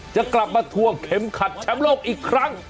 จะกลับมาทวงเข็มขัดแชมป์โลกอีกครั้ง